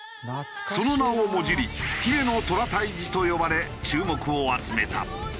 その名をもじり姫の虎退治と呼ばれ注目を集めた。